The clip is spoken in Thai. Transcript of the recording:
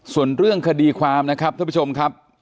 ส่วนเรื่องคดีความนะครับท่านผู้ชมครับ